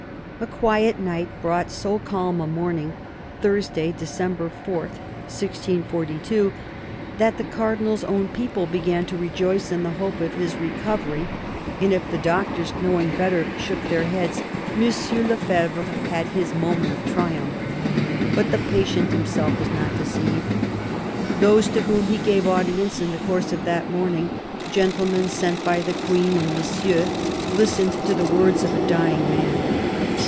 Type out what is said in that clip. A quiet night brought so calm a morning — Thursday, December 4, 1642 — that the Cardinal's own people began to rejoice in the hope of his recovery ; and if the doctors, 294 CARDINAL DE RICHELIEU knowing better, shook their heads, M. Le Fevre had his moment of triumph. But the patient himself was not deceived. Those to whom he gave audience in the course of that morning — gentlemen sent by the Queen and Monsieur — listened to the words of a dying man.